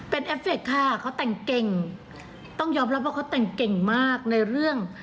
เป็นเอฟเฟคค่ะเขาแต่งเก่งต้องยอมรับว่าเขาแต่งเก่งมากในเรื่อง